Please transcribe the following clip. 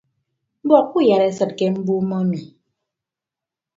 Mbọk kuuyadesịd ke mbuumo emi.